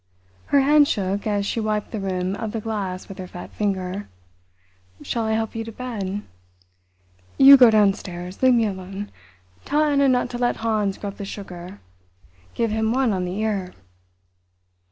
Her hand shook as she wiped the rim of the glass with her fat finger. "Shall I help you to bed?" "You go downstairs, leave me alone. Tell Anna not to let Hans grub the sugar—give him one on the ear."